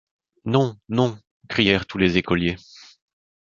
Non, non, crièrent tous les écoliers.